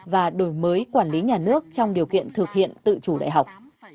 và đổi mới quản lý nhà nước trong điều kiện thực hiện tự chủ đại học